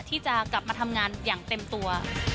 ที่จะกลับมาทำงานอย่างเต็มตัว